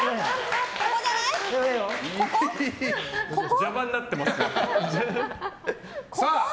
邪魔になってますから。